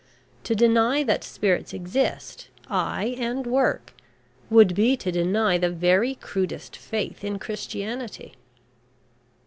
To deny that spirits exist, aye and work, would be to deny the very crudest faith in Christianity."